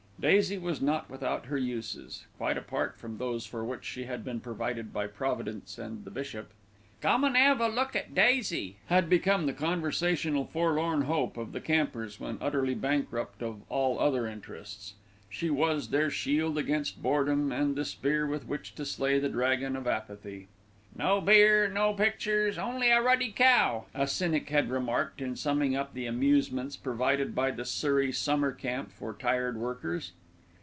Daisy was not without her uses, quite apart from those for which she had been provided by Providence and the bishop. "Come an' 'ave a look at Daisy," had become the conversational forlorn hope of the campers when utterly bankrupt of all other interests. She was their shield against boredom and the spear with which to slay the dragon of apathy. "No beer, no pictures, only a ruddy cow," a cynic had remarked in summing up the amusements provided by the Surrey Summer Camp for Tired Workers.